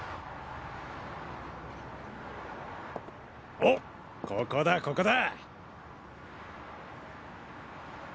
おっここだここだ！